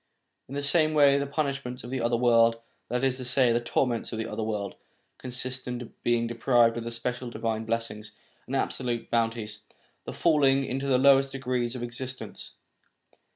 In the same way the punishments of the other world, that is to say, the torments of the other world, consist in being deprived of the special divine blessings and the absolute bounties, and fall ing into the lowest degrees of existence.